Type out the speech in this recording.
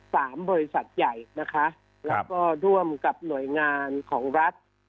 บริษัทใหญ่นะคะแล้วก็ร่วมกับหน่วยงานของรัฐ